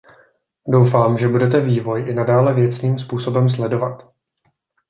Doufám, že budete vývoj i nadále věcným způsobem sledovat.